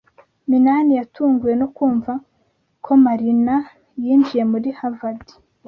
Minani yatunguwe no kumva ko Marina yinjiye muri Harvard.